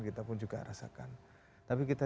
kita pun juga rasakan tapi kita